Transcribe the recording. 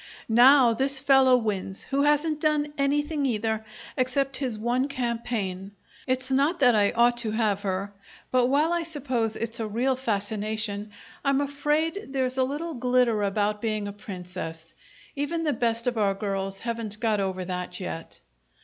Now this fellow wins, who hasn't done anything either, except his one campaign. It's not that I ought to have her, but while I suppose it's a real fascination, I'm afraid there's a little glitter about being a princess. Even the best of our girls haven't got over that yet.